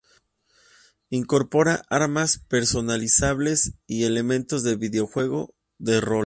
Incorpora armas personalizables y elementos de videojuego de rol.